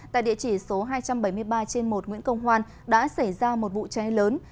tại địa chỉ số hai trăm bảy mươi ba trên một nguyễn công hoan đã xảy ra một vụ cháy lớn